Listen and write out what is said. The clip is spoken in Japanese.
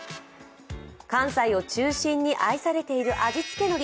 関西を中心に愛されている味付けのり。